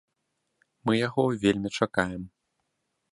Мы яго вельмі чакаем.